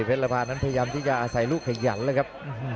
เป็นละพ้านั้นพยายามพยายามที่จะอาศัยรูขยันนะครับ